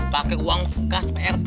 pakai uang kas pak rt